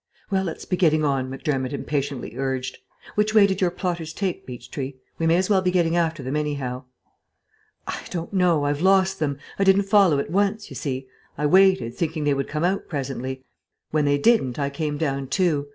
"Well, let's be getting on," Macdermott impatiently urged. "Which way did your plotters take, Beechtree? We may as well be getting after them, anyhow." "I don't know. I've lost them. I didn't follow at once, you see; I waited, thinking they would come out presently. When they didn't, I came down too.